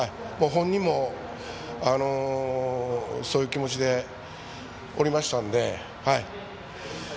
本人も、そういう気持ちでおりましたので。